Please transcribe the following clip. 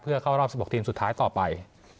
เพื่อเข้ารอบ๑๖ทีมสุดท้ายต่อไป